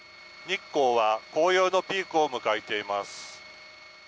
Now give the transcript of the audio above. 日光は紅葉のピークを迎えています。